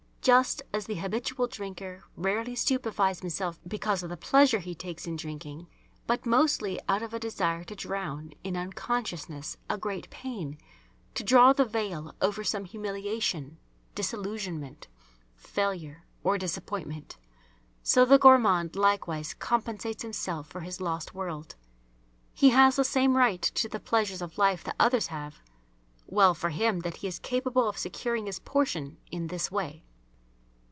Just as the habitual drinker rarely stupifies himself because of the pleasure he takes in drinking but mostly out of a desire to drown in unconsciousness a great pain, to draw the veil over some humiliation, disillusionment, failure, or disappointment, so the gourmand likewise compensates himself for his lost world. He has the same right to the pleasures of life that others have. Well for him that he is capable of securing his portion in this way!